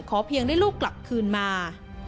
เพียงได้ลูกกลับคืนมา